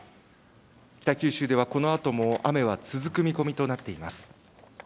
北九州ではこのあとも雨は続く見込みとなっています。